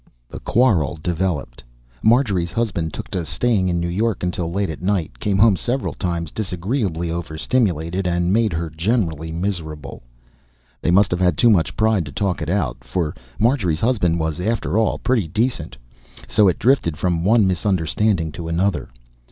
The quarrel developed. Marjorie's husband took to staying in New York until late at night, came home several times disagreeably overstimulated, and made her generally miserable. They must have had too much pride to talk it out for Marjorie's husband was, after all, pretty decent so it drifted on from one misunderstanding to another.